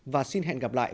và xin hẹn gặp lại